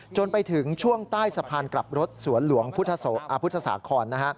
จนไปถึงช่วงใต้สะพานกลับรถสวนหลวงพุทธศาคอน